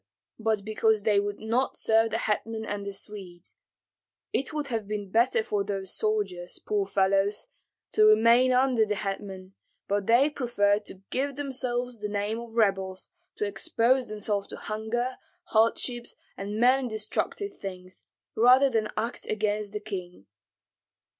but because they would not serve the hetman and the Swedes. It would have been better for those soldiers, poor fellows, to remain under the hetman, but they preferred to give themselves the name of rebels, to expose themselves to hunger, hardships, and many destructive things, rather than act against the king.